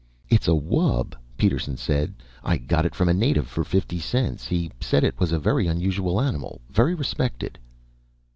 "It's a wub," Peterson said. "I got it from a native for fifty cents. He said it was a very unusual animal. Very respected."